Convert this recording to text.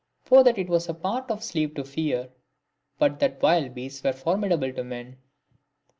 For that it was the part of a slave to fear, but that wild beasts were formidable to men.